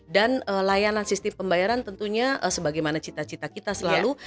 dan layanan sistem pembayaran tentunya sebagaimana cita cita kita selalu